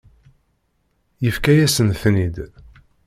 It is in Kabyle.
Yefka-yasen-ten-id.